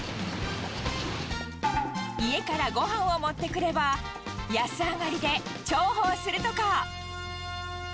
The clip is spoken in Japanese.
家からごはんを持ってくれば、安上がりで重宝するとか。